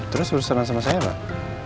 terus berusaha sama saya pak